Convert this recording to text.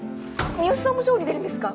三好さんもショーに出るんですか？